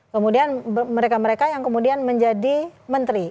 kemudian mereka mereka yang kemudian menjadi menteri